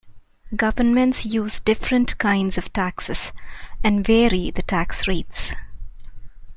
Governments use different kinds of taxes and vary the tax rates.